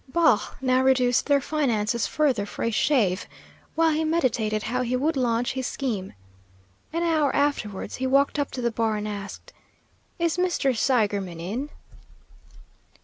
Baugh now reduced their finances further for a shave, while he meditated how he would launch his scheme. An hour afterwards, he walked up to the bar, and asked, "Is Mr. Seigerman in?"